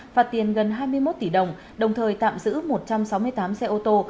phạt tiền gần hai mươi một tỷ đồng đồng thời tạm giữ một trăm sáu mươi tám xe ô tô